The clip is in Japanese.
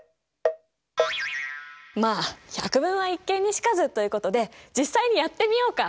まあ「百聞は一見に如かず」ということで実際にやってみようか？